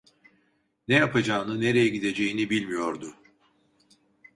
Ne yapacağını, nereye gideceğini bilmiyordu.